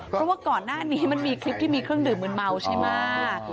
เพราะว่าก่อนหน้านี้มันมีคลิปที่มีเครื่องดื่มมืนเมาใช่ไหม